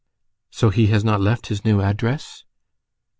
"So he has not left his new address?"